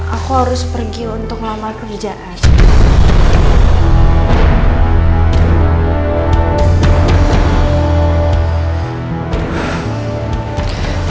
aku harus pergi untuk ngelamar kerjaan